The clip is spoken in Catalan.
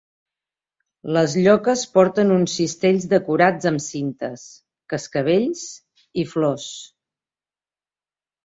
Les lloques porten uns cistells decorats amb cintes, cascavells i flors.